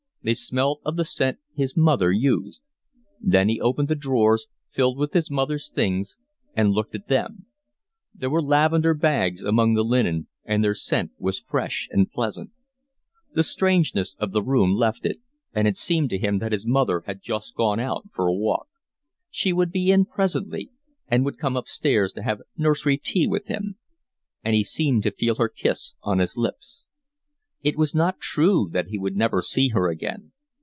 They smelt of the scent his mother used. Then he pulled open the drawers, filled with his mother's things, and looked at them: there were lavender bags among the linen, and their scent was fresh and pleasant. The strangeness of the room left it, and it seemed to him that his mother had just gone out for a walk. She would be in presently and would come upstairs to have nursery tea with him. And he seemed to feel her kiss on his lips. It was not true that he would never see her again.